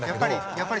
やっぱり。